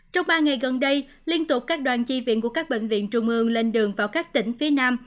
trong ba ngày gần đây liên tục các đoàn chi viện của các bệnh viện trung ương lên đường vào các tỉnh phía nam